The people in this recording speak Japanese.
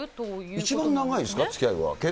一番長いんですか、つきあいは。